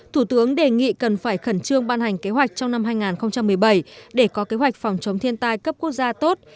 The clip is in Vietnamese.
thủ tướng đề nghị cần phải khẩn trương ban hành kế hoạch trong năm hai nghìn một mươi bảy để có kế hoạch phòng chống thiên tai cấp quốc gia tốt